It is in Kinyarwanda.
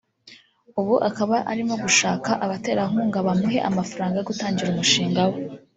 ubu akaba arimo gushaka abaterankunga bamuhe amafaranga yo gutangira umushinga we